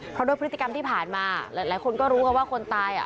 เพราะด้วยพฤติกรรมที่ผ่านมาหลายคนก็รู้กันว่าคนตายอ่ะ